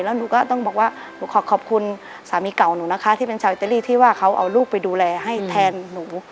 แล้วหนูก็ต้องบอกว่าหนูขอขอบคุณสามีเก่าหนูนะคะที่เป็นชาวอิตาลีที่ว่าเขาเอาลูกไปดูแลให้แทนหนู